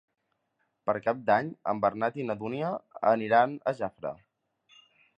Per Cap d'Any en Bernat i na Dúnia aniran a Jafre.